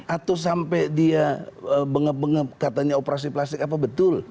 atau sampai dia bengep bengep katanya operasi plastik apa betul